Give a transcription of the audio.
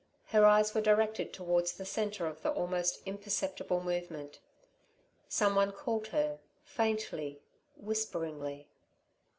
Her eyes were directed towards the centre of the almost imperceptible movement. Someone called her, faintly, whisperingly.